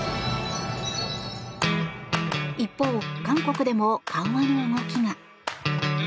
一方、韓国でも緩和の動きが。